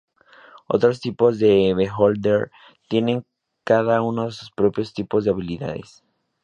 Otros tipos de Beholder tienen cada uno sus propios tipos de habilidades.